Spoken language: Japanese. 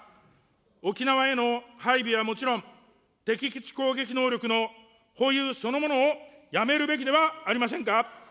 沖縄への配備はもちろん、敵基地攻撃能力の保有そのものをやめるべきではありませんか。